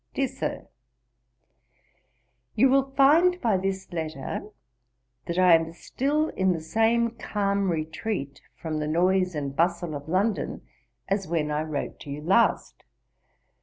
'DEAR SIR, 'You will find by this letter, that I am still in the same calm retreat, from the noise and bustle of London, as when I wrote to you last.